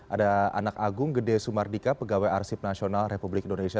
ada anak agung gede sumardika pegawai arsip nasional republik indonesia